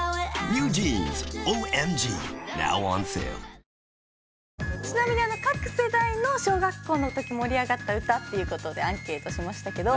三菱電機各世代の小学校のとき盛り上がった歌っていうことでアンケートしましたけど。